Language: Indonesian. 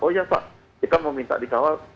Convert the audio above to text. oh iya pak kita mau minta dikawal